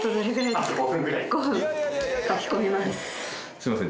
「すいません。